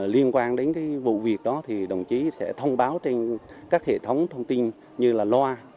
liên quan đến vụ việc đó thì đồng chí sẽ thông báo trên các hệ thống thông tin như là loa